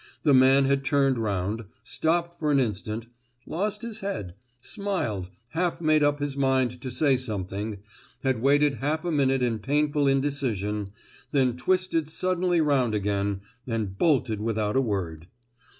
The man had turned round, stopped for an instant, lost his head, smiled—half made up his mind to say something,—had waited half a minute in painful indecision, then twisted suddenly round again, and "bolted" without a word.